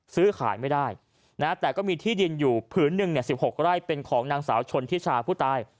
ซื้อขายไม่ได้แต่ก็มีที่ดินอยู่ผืนหนึ่ง๑๖ไร่เป็นของนางสาวชนทิชาผู้ตาย